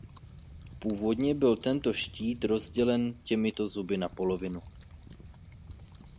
Původně byl tento štít rozdělen těmito zuby na poloviny.